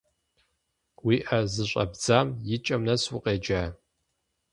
Уи ӏэ зыщӏэбдзам и кӏэм нэс укъеджа?